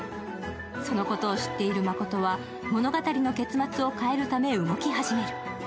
そのことを知っている真琴は、物語の結末を変えるため動き始める。